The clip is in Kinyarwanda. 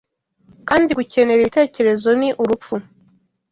Kandi gukenera Ibitekerezo ni urupfu